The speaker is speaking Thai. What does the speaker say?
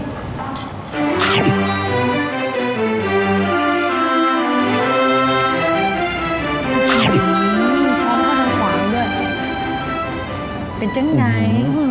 อืมชอบข้างขวางด้วยเป็นจังไง